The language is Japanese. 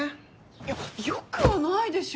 いやよくはないでしょう。